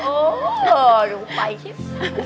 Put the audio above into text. โอ้โหหนูไปคิด